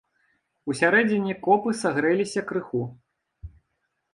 Усярэдзіне копы сагрэліся крыху.